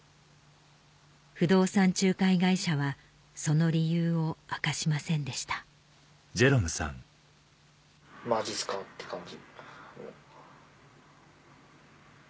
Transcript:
不動産仲介会社はその理由を明かしませんでしたマジっすかって感じ。